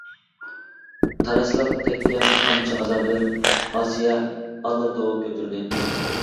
تاراسلاپ تەگكەن قامچا ئازابىدىن ئاسىيە ئاللا-توۋا كۆتۈردى.